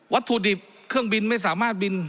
ถุดิบเครื่องบินไม่สามารถบิน